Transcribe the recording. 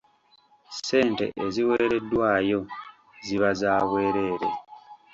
Ssente eziweereddwayo ziba za bwereere.